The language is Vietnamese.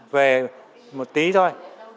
về một tí thôi